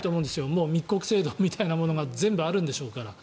もう密告制度みたいなものが全部あるんでしょうから。